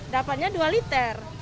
dapatnya dua liter